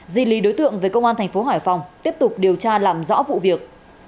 di lý đối tượng về công an tp hải phòng tiếp tục điều tra làm rõ vụ việc